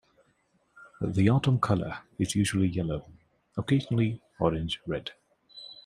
The autumn colour is usually yellow, occasionally orange-red.